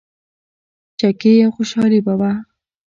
چکې او خوشحالي به وه.